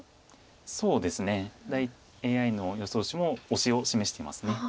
そうですねＡＩの予想手もオシを示しています。